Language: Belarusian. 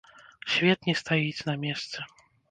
Свет не стаіць на месцы!